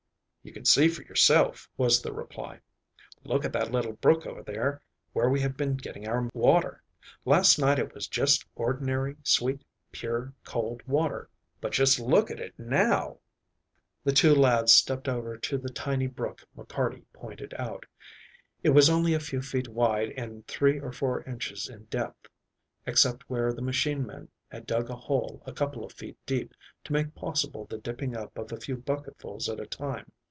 "You can see for yourself," was the reply. "Look at that little brook over there where we have been getting our water. Last night it was just ordinary sweet, pure, cold water, but just look at it now." The two lads stepped over to the tiny brook McCarty pointed out. It was only a few feet wide and three or four inches in depth, except where the machine men had dug a hole a couple of feet deep to make possible the dipping up of a few bucketfuls at a time.